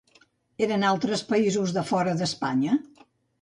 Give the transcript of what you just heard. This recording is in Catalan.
Eren d'altres països de fora d'Espanya?